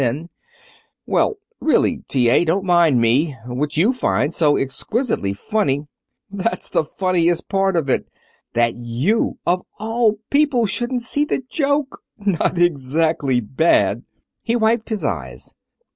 Then "Well, really, T.A., don't mind me. What you find so exquisitely funny " "That's the funniest part of it! That you, of all people, shouldn't see the joke. Not exactly bad!" He wiped his eyes.